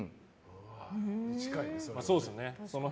近いね。